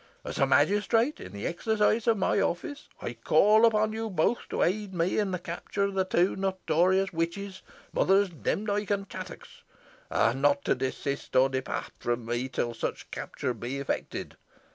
As a magistrate in the exercise of my office, I call upon you both to aid me in the capture of the two notorious witches, Mothers Demdike and Chattox, and not to desist or depart from me till such capture be effected.